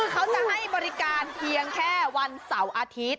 เขาจะให้บริการเพียงแค่วันเสาร์อาทิตย์